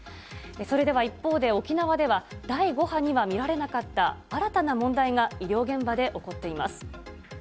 それでは一方で沖縄では、第５波には見られなかった新たな問題が医療現場で起こっています。